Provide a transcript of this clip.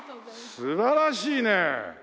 素晴らしいね。